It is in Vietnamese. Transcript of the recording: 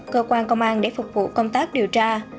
cơ quan công an để phục vụ công tác điều tra